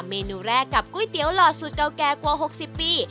เมนูแรกกับก๋วยเตี๋ยวหล่อสูตรเก่าแก่กว่า๖๐ปี